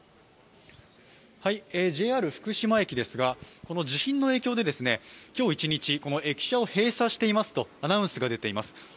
ＪＲ福島駅ですが、この地震の影響で今日一日、駅舎を閉鎖していますとアナウンスが出ています。